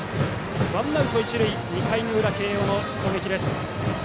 ワンアウト一塁２回の裏、慶応の攻撃です。